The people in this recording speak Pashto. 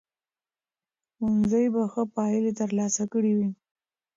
ښوونځي به ښه پایلې ترلاسه کړې وي.